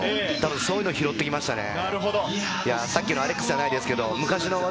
そういうのを拾ってきましたね。